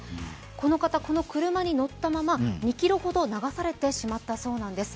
この方、この車に乗ったまま２ｋｍほど流されてしまったそうです